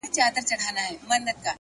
هره تېروتنه د اصلاح فرصت دی